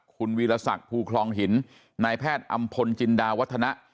คุณวีรศักดิ์ภูคลองหินนายแพทย์อำพลจินดาวัฒนะ